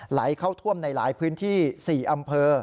ไหลเข้าท่วมในหลายพื้นที่๔อำเภอ